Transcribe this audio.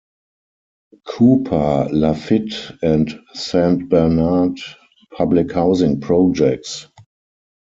Cooper, Lafitte and Saint Bernard public housing projects.